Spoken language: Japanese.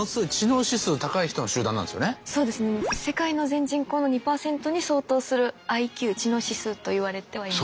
世界の全人口の２％に相当するＩＱ知能指数といわれてはいます。